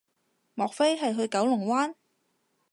莫非係去九龍灣